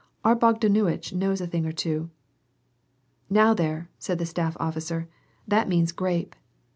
Our Bogdan uitch knows a thing or two." "Now there," said the staff officer, "that means grape!"